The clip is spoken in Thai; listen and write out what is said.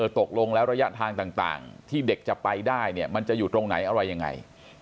ตกลงแล้วระยะทางต่างที่เด็กจะไปได้เนี่ยมันจะอยู่ตรงไหนอะไรยังไง